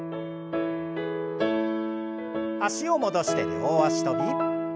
脚を戻して両脚跳び。